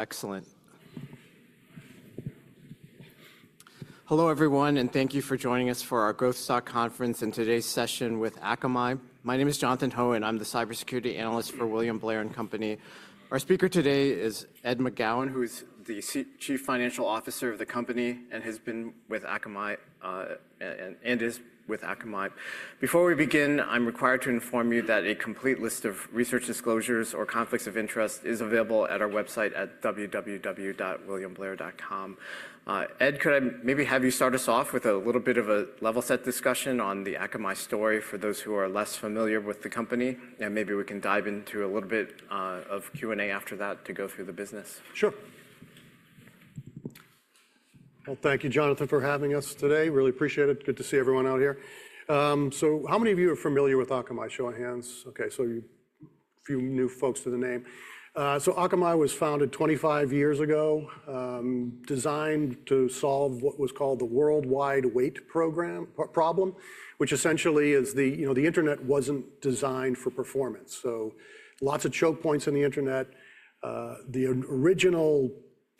Excellent. Hello everyone, and thank you for joining us for our Growth Stock Conference and today's session with Akamai. My name is Jonathan Ho, and I'm the Cybersecurity Analyst for William Blair and Company. Our speaker today is Ed McGowan, who is the Chief Financial Officer of the company and has been with Akamai, and is with Akamai. Before we begin, I'm required to inform you that a complete list of research disclosures or conflicts of interest is available at our website at www.williamblair.com. Ed, could I maybe have you start us off with a little bit of a level-set discussion on the Akamai story for those who are less familiar with the company? Maybe we can dive into a little bit of Q&A after that to go through the business. Sure. Thank you, Jonathan, for having us today. Really appreciate it. Good to see everyone out here. So how many of you are familiar with Akamai? Show of hands. Okay. A few new folks to the name. Akamai was founded 25 years ago, designed to solve what was called the World Wide Wake problem, which essentially is the, you know, the internet was not designed for performance. Lots of choke points in the internet. The original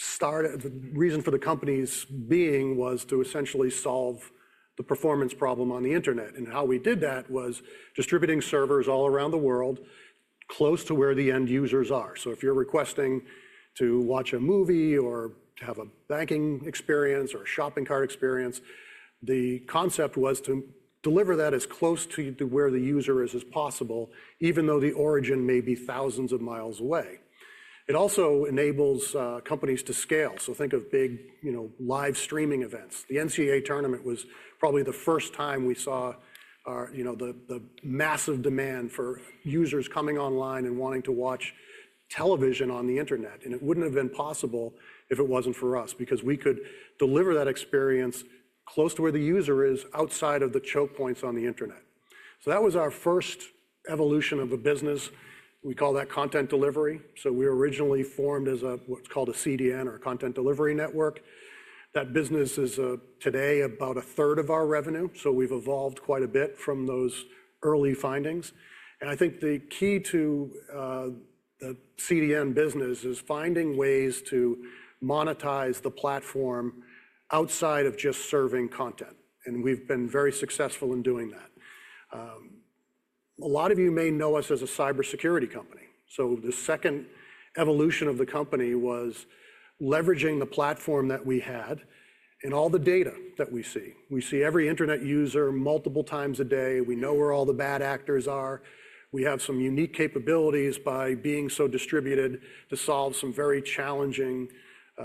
start, reason for the company's being was to essentially solve the performance problem on the internet. How we did that was distributing servers all around the world close to where the end users are. If you're requesting to watch a movie or to have a banking experience or a shopping cart experience, the concept was to deliver that as close to where the user is as possible, even though the origin may be thousands of miles away. It also enables companies to scale. Think of big, you know, live streaming events. The NCAA tournament was probably the first time we saw, you know, the massive demand for users coming online and wanting to watch television on the internet. It wouldn't have been possible if it wasn't for us because we could deliver that experience close to where the user is outside of the choke points on the internet. That was our first evolution of the business. We call that content delivery. We were originally formed as a, what's called a CDN or a content delivery network. That business is, today, about a third of our revenue. We have evolved quite a bit from those early findings. I think the key to the CDN business is finding ways to monetize the platform outside of just serving content. We have been very successful in doing that. A lot of you may know us as a cybersecurity company. The second evolution of the company was leveraging the platform that we had and all the data that we see. We see every internet user multiple times a day. We know where all the bad actors are. We have some unique capabilities by being so distributed to solve some very challenging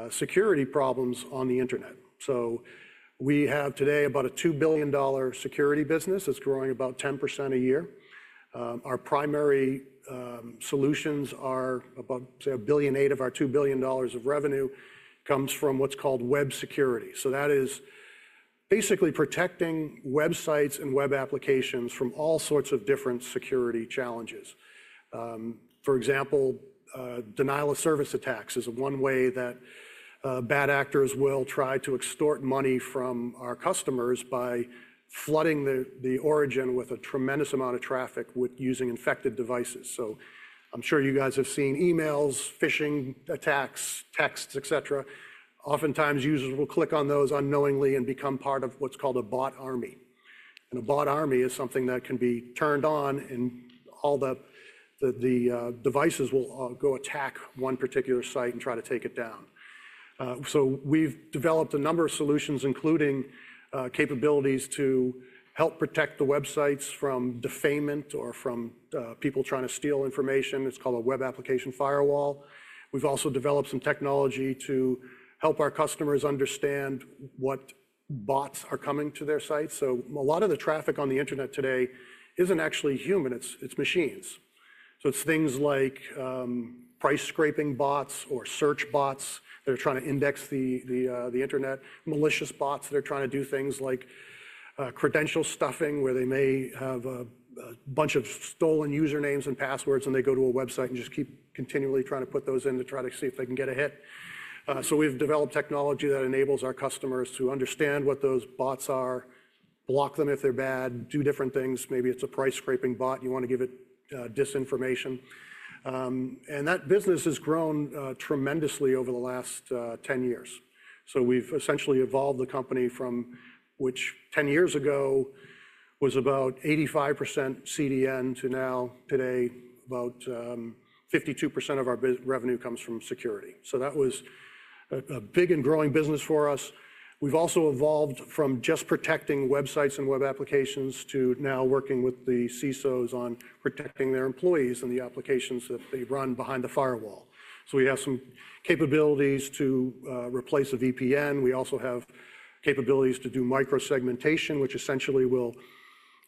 security problems on the internet. We have today about a $2 billion security business. It is growing about 10% a year. Our primary solutions are about, say, a billion eight of our $2 billion of revenue comes from what's called web security. That is basically protecting websites and web applications from all sorts of different security challenges. For example, denial of service attacks is one way that bad actors will try to extort money from our customers by flooding the origin with a tremendous amount of traffic using infected devices. I'm sure you guys have seen emails, phishing attacks, texts, et cetera. Oftentimes users will click on those unknowingly and become part of what's called a bot army. A bot army is something that can be turned on and all the devices will go attack one particular site and try to take it down. We've developed a number of solutions, including capabilities to help protect the websites from defacement or from people trying to steal information. It's called a web application firewall. We've also developed some technology to help our customers understand what bots are coming to their sites. A lot of the traffic on the internet today isn't actually human. It's machines. It's things like price scraping bots or search bots that are trying to index the internet, malicious bots that are trying to do things like credential stuffing where they may have a bunch of stolen usernames and passwords and they go to a website and just keep continually trying to put those in to try to see if they can get a hit. We've developed technology that enables our customers to understand what those bots are, block them if they're bad, do different things. Maybe it's a price scraping bot. You wanna give it disinformation. That business has grown tremendously over the last 10 years. We've essentially evolved the company from which 10 years ago was about 85% CDN to now today about 52% of our revenue comes from security. That was a big and growing business for us. We've also evolved from just protecting websites and web applications to now working with the CISOs on protecting their employees and the applications that they run behind the firewall. We have some capabilities to replace a VPN. We also have capabilities to do micro-segmentation, which essentially will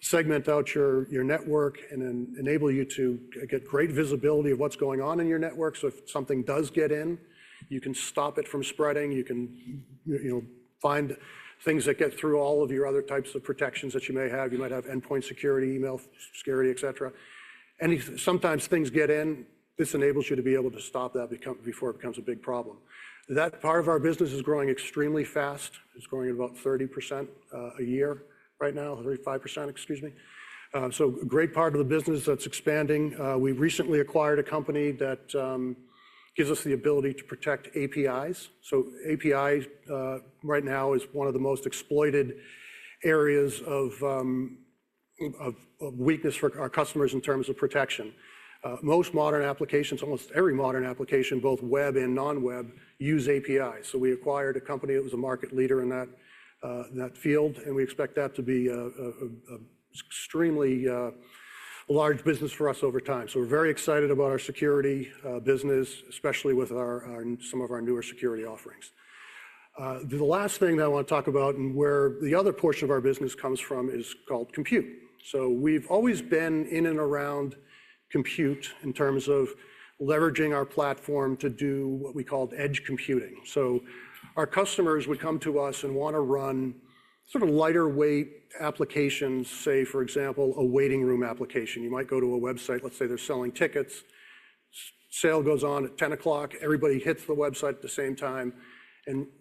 segment out your network and then enable you to get great visibility of what's going on in your network. If something does get in, you can stop it from spreading. You can, you know, find things that get through all of your other types of protections that you may have. You might have endpoint security, email security, et cetera. Sometimes things get in. This enables you to be able to stop that before it becomes a big problem. That part of our business is growing extremely fast. It's growing at about 30% a year right now, 35%, excuse me. A great part of the business that's expanding. We recently acquired a company that gives us the ability to protect APIs. API right now is one of the most exploited areas of weakness for our customers in terms of protection. Most modern applications, almost every modern application, both web and non-web, use API. We acquired a company that was a market leader in that field, and we expect that to be an extremely large business for us over time. We are very excited about our security business, especially with some of our newer security offerings. The last thing that I want to talk about and where the other portion of our business comes from is called compute. We have always been in and around compute in terms of leveraging our platform to do what we called edge computing. Our customers would come to us and want to run sort of lighter weight applications, say, for example, a waiting room application. You might go to a website, let's say they're selling tickets. Sale goes on at 10:00. Everybody hits the website at the same time.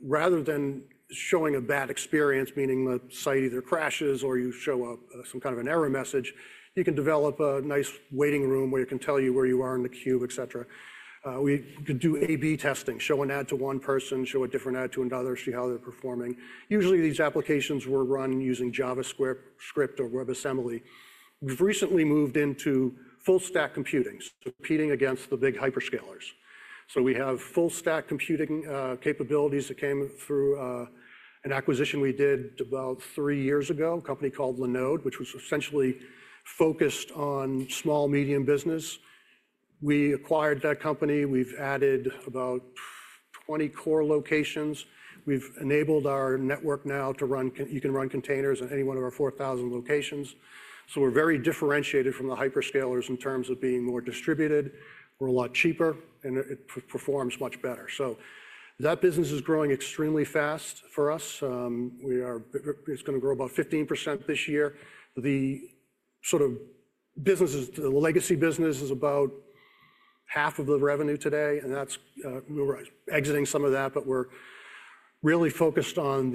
Rather than showing a bad experience, meaning the site either crashes or you show some kind of an error message, you can develop a nice waiting room where it can tell you where you are in the queue, et cetera. We could do A/B testing, show an ad to one person, show a different ad to another, see how they're performing. Usually these applications were run using JavaScript or WebAssembly. We've recently moved into full stack computing, competing against the big hyperscalers. We have full stack computing capabilities that came through an acquisition we did about three years ago, a company called Linode, which was essentially focused on small, medium business. We acquired that company. We've added about 20 core locations. We've enabled our network now to run, you can run containers at any one of our 4,000 locations. We're very differentiated from the hyperscalers in terms of being more distributed. We're a lot cheaper and it performs much better. That business is growing extremely fast for us. It's gonna grow about 15% this year. The sort of businesses, the legacy business is about half of the revenue today. We were exiting some of that, but we're really focused on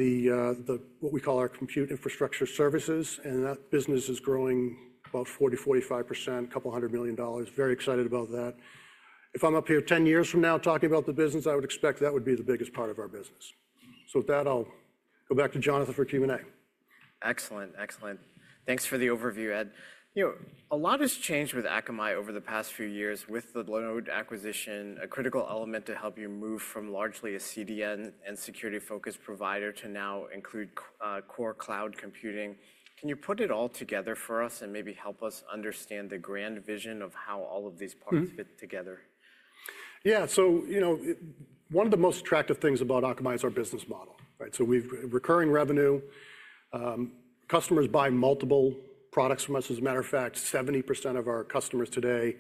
what we call our compute infrastructure services. That business is growing about 40-45%, a couple $100 million. Very excited about that. If I'm up here 10 years from now talking about the business, I would expect that would be the biggest part of our business. With that, I'll go back to Jonathan for Q&A. Excellent. Excellent. Thanks for the overview, Ed. You know, a lot has changed with Akamai over the past few years with the Linode acquisition, a critical element to help you move from largely a CDN and security-focused provider to now include, core cloud computing. Can you put it all together for us and maybe help us understand the grand vision of how all of these parts fit together? Yeah. So, you know, one of the most attractive things about Akamai is our business model, right? So we've recurring revenue, customers buy multiple products from us. As a matter of fact, 70% of our customers today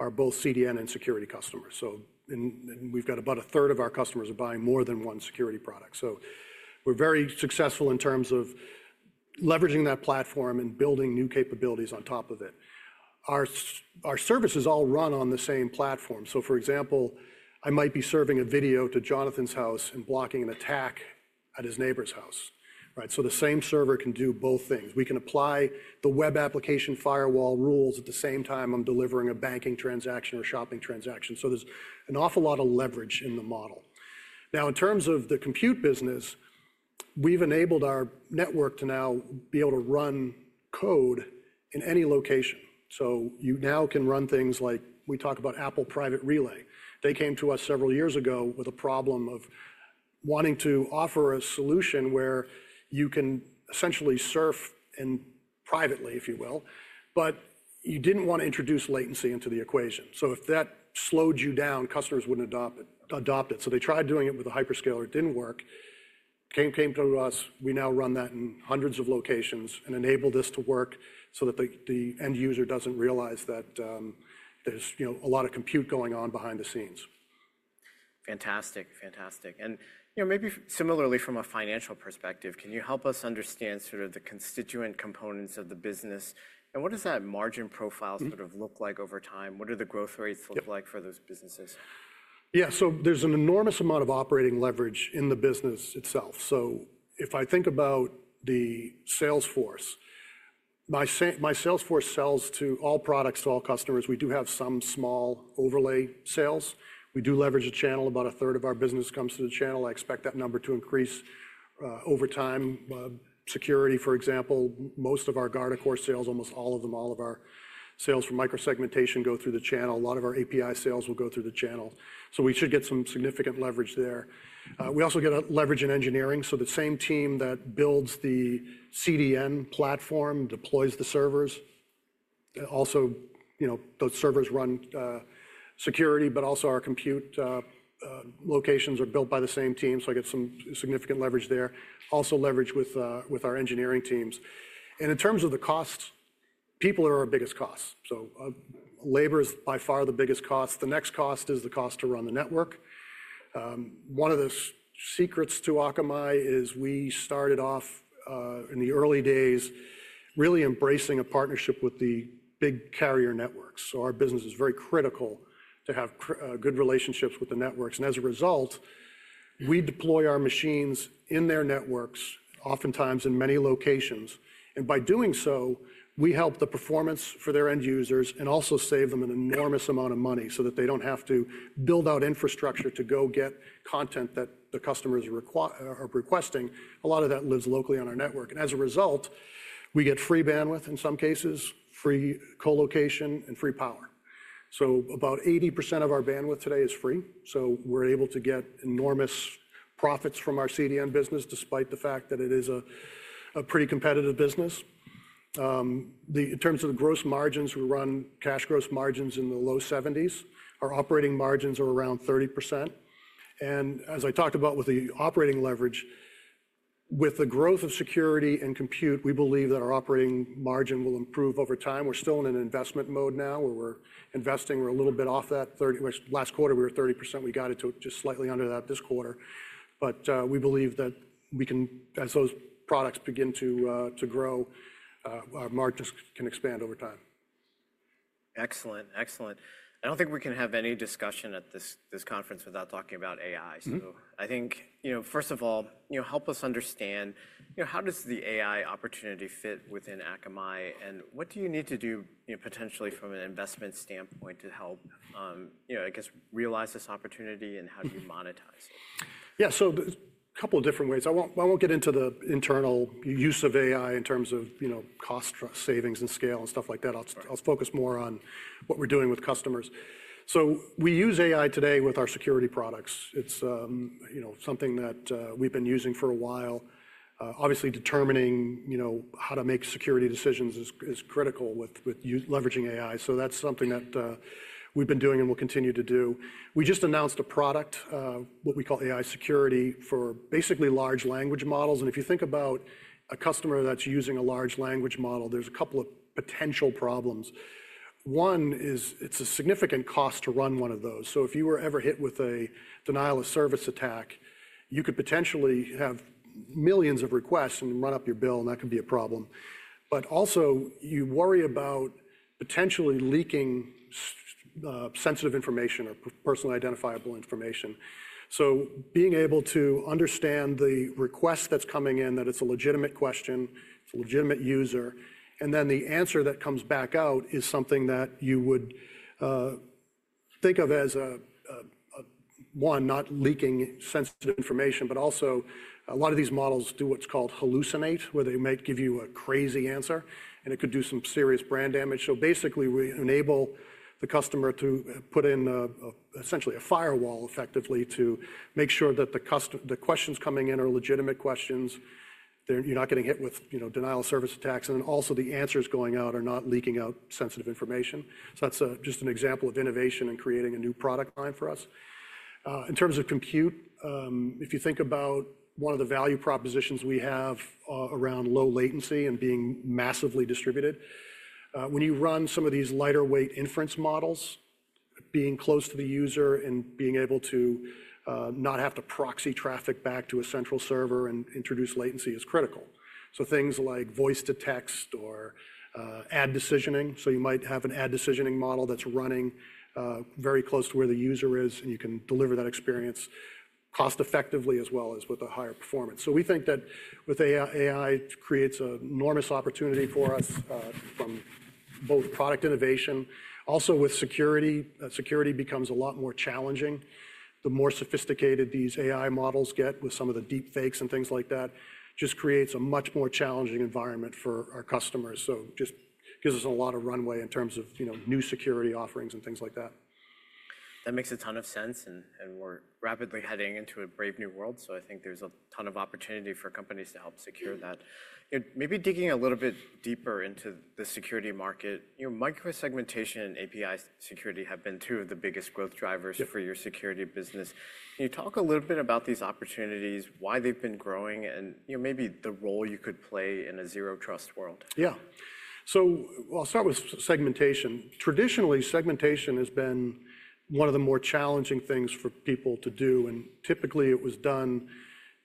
are both CDN and security customers. In fact, we've got about a third of our customers buying more than one security product. We're very successful in terms of leveraging that platform and building new capabilities on top of it. Our services all run on the same platform. For example, I might be serving a video to Jonathan's house and blocking an attack at his neighbor's house, right? The same server can do both things. We can apply the web application firewall rules at the same time I'm delivering a banking transaction or shopping transaction. There's an awful lot of leverage in the model. Now, in terms of the compute business, we've enabled our network to now be able to run code in any location. You now can run things like we talk about Apple Private Relay. They came to us several years ago with a problem of wanting to offer a solution where you can essentially surf privately, if you will, but you didn't want to introduce latency into the equation. If that slowed you down, customers wouldn't adopt it, adopt it. They tried doing it with a hyperscaler. It didn't work. Came to us. We now run that in hundreds of locations and enable this to work so that the end user doesn't realize that there's, you know, a lot of compute going on behind the scenes. Fantastic. Fantastic. You know, maybe similarly from a financial perspective, can you help us understand sort of the constituent components of the business and what does that margin profile sort of look like over time? What do the growth rates look like for those businesses? Yeah. So there's an enormous amount of operating leverage in the business itself. If I think about the Salesforce, my Salesforce sells all products to all customers. We do have some small overlay sales. We do leverage a channel. About a third of our business comes through the channel. I expect that number to increase over time. Security, for example, most of our Guardicore sales, almost all of them, all of our sales for micro-segmentation go through the channel. A lot of our API sales will go through the channel. So we should get some significant leverage there. We also get leverage in engineering. The same team that builds the CDN platform deploys the servers. Also, you know, those servers run security, but also our compute locations are built by the same team. So I get some significant leverage there. Also leverage with our engineering teams. In terms of the costs, people are our biggest costs. Labor is by far the biggest cost. The next cost is the cost to run the network. One of the secrets to Akamai is we started off in the early days really embracing a partnership with the big carrier networks. Our business is very critical to have good relationships with the networks. As a result, we deploy our machines in their networks, oftentimes in many locations. By doing so, we help the performance for their end users and also save them an enormous amount of money so that they do not have to build out infrastructure to go get content that the customers are requesting. A lot of that lives locally on our network. As a result, we get free bandwidth in some cases, free co-location, and free power. About 80% of our bandwidth today is free. We're able to get enormous profits from our CDN business despite the fact that it is a pretty competitive business. In terms of the gross margins, we run cash gross margins in the low seventies. Our operating margins are around 30%. As I talked about with the operating leverage, with the growth of security and compute, we believe that our operating margin will improve over time. We're still in an investment mode now where we're investing. We're a little bit off that 30%, which last quarter we were 30%. We got it to just slightly under that this quarter. We believe that we can, as those products begin to grow, our margins can expand over time. Excellent. Excellent. I don't think we can have any discussion at this conference without talking about AI. I think, you know, first of all, you know, help us understand, you know, how does the AI opportunity fit within Akamai and what do you need to do, you know, potentially from an investment standpoint to help, you know, I guess realize this opportunity and how do you monetize it? Yeah. So there's a couple different ways. I won't, I won't get into the internal use of AI in terms of, you know, cost savings and scale and stuff like that. I'll, I'll focus more on what we're doing with customers. So we use AI today with our security products. It's, you know, something that we've been using for a while. Obviously determining, you know, how to make security decisions is, is critical with, with you leveraging AI. So that's something that we've been doing and we'll continue to do. We just announced a product, what we call AI security for basically large language models. And if you think about a customer that's using a large language model, there's a couple of potential problems. One is it's a significant cost to run one of those. If you were ever hit with a denial of service attack, you could potentially have millions of requests and run up your bill, and that could be a problem. You also worry about potentially leaking sensitive information or personally identifiable information. Being able to understand the request that's coming in, that it's a legitimate question, it's a legitimate user, and then the answer that comes back out is something that you would think of as not leaking sensitive information, but also a lot of these models do what's called hallucinate, where they might give you a crazy answer and it could do some serious brand damage. Basically, we enable the customer to put in essentially a firewall effectively to make sure that the customer, the questions coming in are legitimate questions. They're, you're not getting hit with, you know, denial of service attacks. Also, the answers going out are not leaking out sensitive information. That's just an example of innovation and creating a new product line for us. In terms of compute, if you think about one of the value propositions we have around low latency and being massively distributed, when you run some of these lighter weight inference models, being close to the user and being able to not have to proxy traffic back to a central server and introduce latency is critical. Things like voice to text or ad decisioning. You might have an ad decisioning model that's running very close to where the user is, and you can deliver that experience cost-effectively as well as with a higher performance. We think that with AI, AI creates an enormous opportunity for us, from both product innovation, also with security. Security becomes a lot more challenging. The more sophisticated these AI models get with some of the deep fakes and things like that, just creates a much more challenging environment for our customers. It just gives us a lot of runway in terms of, you know, new security offerings and things like that. That makes a ton of sense. And we're rapidly heading into a brave new world. I think there's a ton of opportunity for companies to help secure that. Maybe digging a little bit deeper into the security market, you know, micro-segmentation and API security have been two of the biggest growth drivers for your security business. Can you talk a little bit about these opportunities, why they've been growing, and you know, maybe the role you could play in a zero trust world? Yeah. I'll start with segmentation. Traditionally, segmentation has been one of the more challenging things for people to do. Typically it was done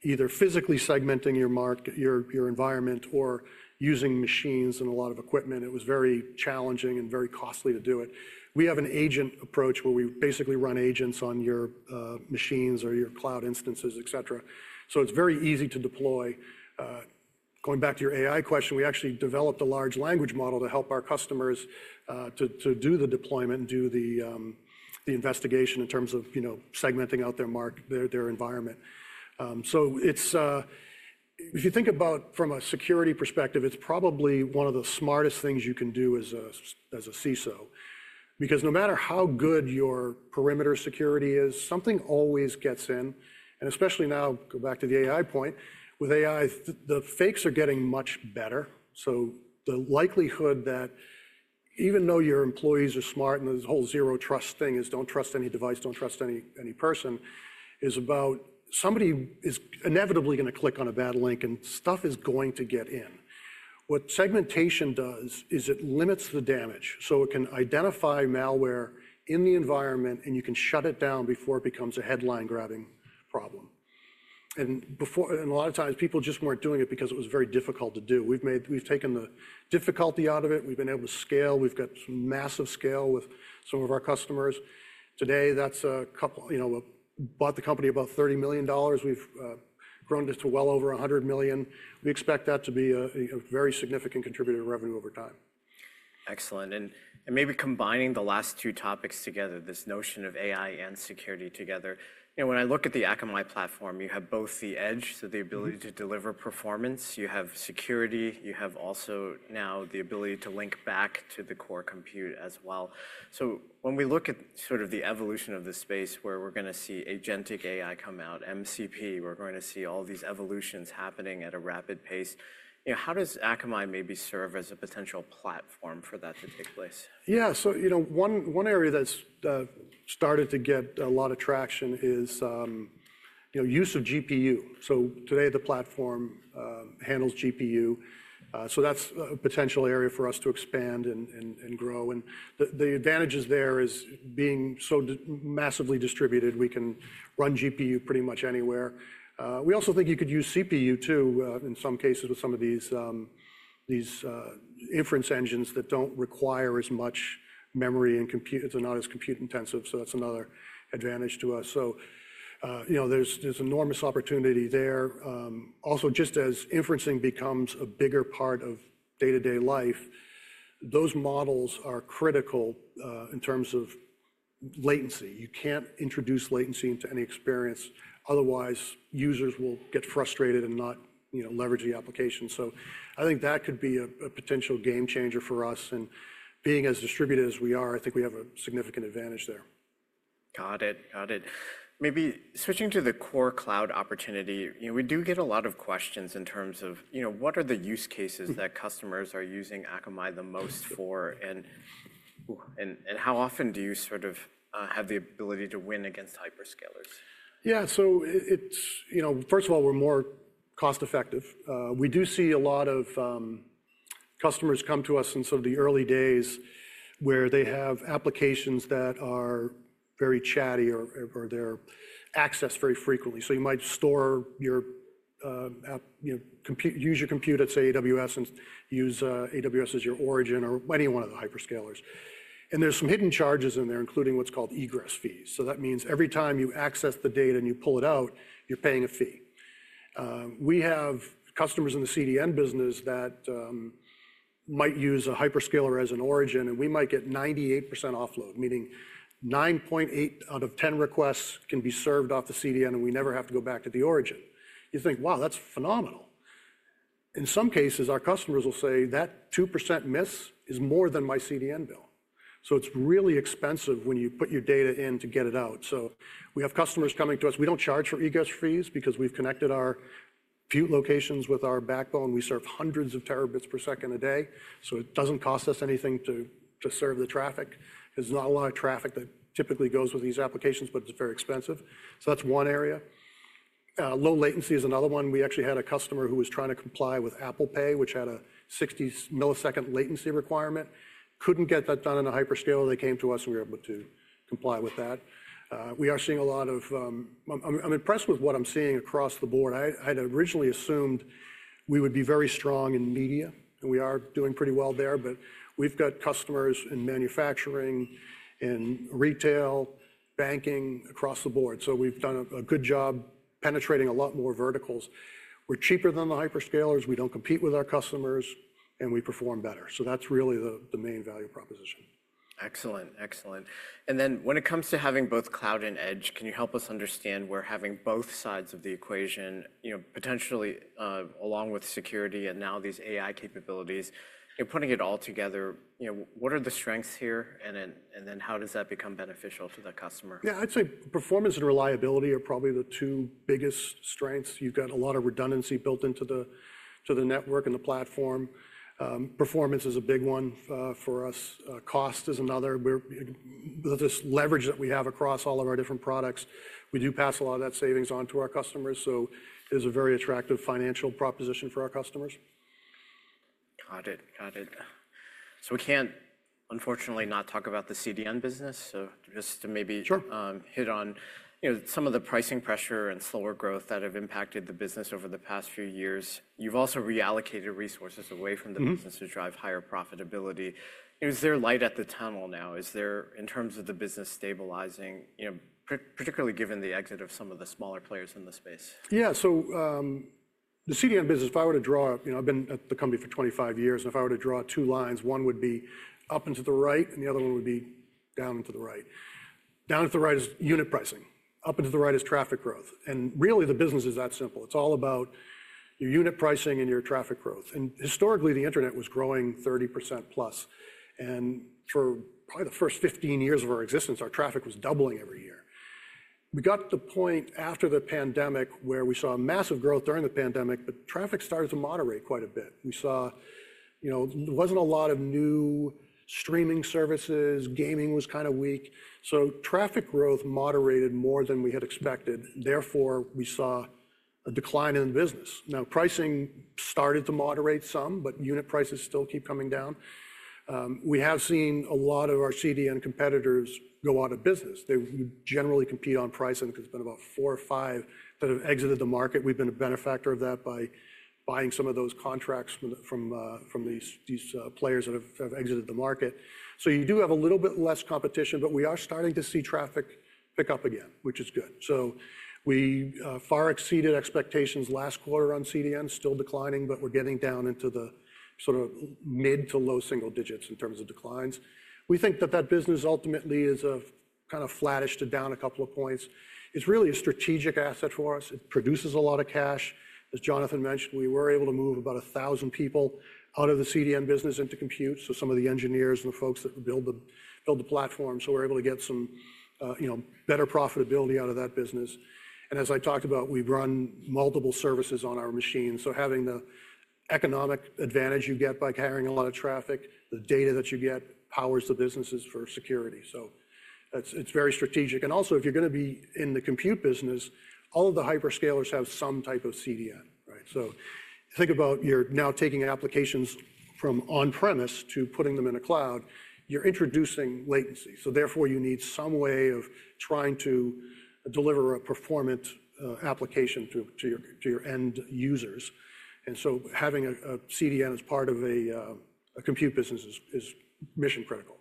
either physically segmenting your environment or using machines and a lot of equipment. It was very challenging and very costly to do it. We have an agent approach where we basically run agents on your machines or your cloud instances, et cetera. It's very easy to deploy. Going back to your AI question, we actually developed a large language model to help our customers to do the deployment and do the investigation in terms of, you know, segmenting out their environment. So it's, if you think about from a security perspective, it's probably one of the smartest things you can do as a CISO, because no matter how good your perimeter security is, something always gets in. Especially now, go back to the AI point, with AI, the fakes are getting much better. The likelihood that even though your employees are smart and this whole zero trust thing is don't trust any device, don't trust any person, is about somebody is inevitably gonna click on a bad link and stuff is going to get in. What segmentation does is it limits the damage. It can identify malware in the environment and you can shut it down before it becomes a headline-grabbing problem. A lot of times people just weren't doing it because it was very difficult to do. We've made, we've taken the difficulty out of it. We've been able to scale. We've got massive scale with some of our customers. Today that's a couple, you know, bought the company about $30 million. We've grown just to well over $100 million. We expect that to be a very significant contributor to revenue over time. Excellent. Maybe combining the last two topics together, this notion of AI and security together, you know, when I look at the Akamai platform, you have both the edge, so the ability to deliver performance, you have security, you have also now the ability to link back to the core compute as well. When we look at sort of the evolution of the space where we're gonna see agentic AI come out, MCP, we're going to see all these evolutions happening at a rapid pace. You know, how does Akamai maybe serve as a potential platform for that to take place? Yeah. So, you know, one area that's started to get a lot of traction is, you know, use of GPU. So today the platform handles GPU. That's a potential area for us to expand and grow. The advantages there is being so massively distributed, we can run GPU pretty much anywhere. We also think you could use CPU too, in some cases with some of these inference engines that don't require as much memory and compute. It's not as compute intensive. That's another advantage to us. You know, there's enormous opportunity there. Also, just as inferencing becomes a bigger part of day-to-day life, those models are critical in terms of latency. You can't introduce latency into any experience. Otherwise users will get frustrated and not, you know, leverage the application. I think that could be a potential game changer for us. Being as distributed as we are, I think we have a significant advantage there. Got it. Got it. Maybe switching to the core cloud opportunity, you know, we do get a lot of questions in terms of, you know, what are the use cases that customers are using Akamai the most for? And how often do you sort of have the ability to win against hyperscalers? Yeah. So it's, you know, first of all, we're more cost-effective. We do see a lot of customers come to us in sort of the early days where they have applications that are very chatty or, or they're accessed very frequently. You might store your app, you know, compute, use your compute at AWS and use AWS as your origin or any one of the hyperscalers. There are some hidden charges in there, including what's called egress fees. That means every time you access the data and you pull it out, you're paying a fee. We have customers in the CDN business that might use a hyperscaler as an origin, and we might get 98% offload, meaning 9.8 out of 10 requests can be served off the CDN, and we never have to go back to the origin. You think, wow, that's phenomenal. In some cases, our customers will say that 2% miss is more than my CDN bill. It is really expensive when you put your data in to get it out. We have customers coming to us. We do not charge for egress fees because we have connected our few locations with our backbone. We serve hundreds of terabits per second a day. It does not cost us anything to serve the traffic. There is not a lot of traffic that typically goes with these applications, but it is very expensive. That is one area. Low latency is another one. We actually had a customer who was trying to comply with Apple Pay, which had a 60 millisecond latency requirement, could not get that done in a hyperscaler. They came to us and we were able to comply with that. We are seeing a lot of, I'm impressed with what I'm seeing across the board. I had originally assumed we would be very strong in media, and we are doing pretty well there, but we've got customers in manufacturing and retail, banking across the board. We've done a good job penetrating a lot more verticals. We're cheaper than the hyperscalers. We do not compete with our customers, and we perform better. That is really the main value proposition. Excellent. Excellent. And then when it comes to having both cloud and edge, can you help us understand, we're having both sides of the equation, you know, potentially, along with security and now these AI capabilities, you know, putting it all together, you know, what are the strengths here? And then, and then how does that become beneficial to that customer? Yeah, I'd say performance and reliability are probably the two biggest strengths. You've got a lot of redundancy built into the, to the network and the platform. Performance is a big one, for us. Cost is another. We're, the leverage that we have across all of our different products, we do pass a lot of that savings onto our customers. So it is a very attractive financial proposition for our customers. Got it. Got it. We can't unfortunately not talk about the CDN business. Just to maybe hit on, you know, some of the pricing pressure and slower growth that have impacted the business over the past few years. You've also reallocated resources away from the business to drive higher profitability. Is there light at the tunnel now? Is there, in terms of the business stabilizing, you know, particularly given the exit of some of the smaller players in the space? Yeah. The CDN business, if I were to draw, you know, I've been at the company for 25 years, and if I were to draw two lines, one would be up into the right and the other one would be down to the right. Down to the right is unit pricing. Up into the right is traffic growth. Really the business is that simple. It's all about your unit pricing and your traffic growth. Historically the internet was growing 30% plus. For probably the first 15 years of our existence, our traffic was doubling every year. We got to the point after the pandemic where we saw massive growth during the pandemic, but traffic started to moderate quite a bit. We saw, you know, there wasn't a lot of new streaming services. Gaming was kind of weak. Traffic growth moderated more than we had expected. Therefore we saw a decline in the business. Now pricing started to moderate some, but unit prices still keep coming down. We have seen a lot of our CDN competitors go out of business. They generally compete on price and there's been about four or five that have exited the market. We've been a benefactor of that by buying some of those contracts from these players that have exited the market. You do have a little bit less competition, but we are starting to see traffic pick up again, which is good. We far exceeded expectations last quarter on CDN, still declining, but we're getting down into the sort of mid to low single-digits in terms of declines. We think that that business ultimately is a kind of flattish to down a couple of points. It's really a strategic asset for us. It produces a lot of cash. As Jonathan mentioned, we were able to move about 1,000 people out of the CDN business into compute. Some of the engineers and the folks that build the platform. We are able to get some, you know, better profitability out of that business. As I talked about, we have run multiple services on our machines. Having the economic advantage you get by carrying a lot of traffic, the data that you get powers the businesses for security. It is very strategic. Also, if you are gonna be in the compute business, all of the hyperscalers have some type of CDN, right? Think about it, you are now taking applications from on-premise to putting them in a cloud, you are introducing latency. Therefore you need some way of trying to deliver a performant application to your end users. Having a CDN as part of a compute business is mission critical.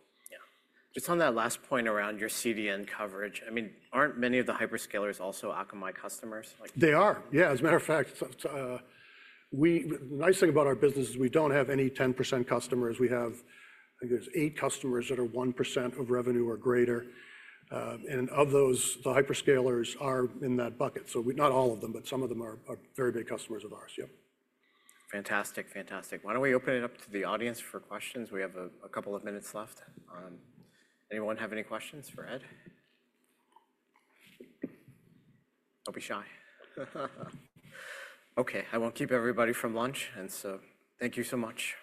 Yeah. Just on that last point around your CDN coverage, I mean, aren't many of the hyperscalers also Akamai customers? They are. Yeah. As a matter of fact, we, the nice thing about our business is we do not have any 10% customers. We have, I think there are eight customers that are 1% of revenue or greater. Of those, the hyperscalers are in that bucket. Not all of them, but some of them are very big customers of ours. Yep. Fantastic. Fantastic. Why don't we open it up to the audience for questions? We have a couple of minutes left. Anyone have any questions for Ed? Don't be shy. Okay. I won't keep everybody from lunch. Thank you so much.